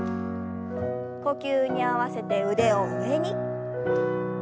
呼吸に合わせて腕を上に。